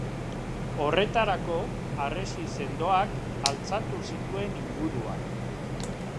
Horretarako harresi sendoak altxatu zituen inguruan.